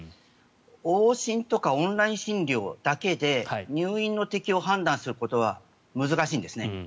往診とかオンライン診療だけで入院の適用を判断することは難しいんですね。